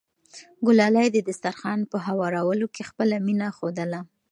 ګلالۍ د دسترخوان په هوارولو کې خپله مینه ښودله.